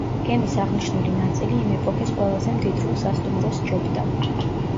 გემის აღნიშნული ნაწილი იმ ეპოქის ყველაზე მდიდრულ სასტუმროს სჯობდა.